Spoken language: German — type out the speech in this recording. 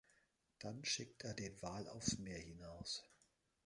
Dann schickt er den Wal aufs Meer hinaus.